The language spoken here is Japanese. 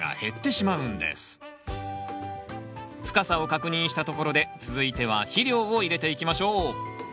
深さを確認したところで続いては肥料を入れていきましょう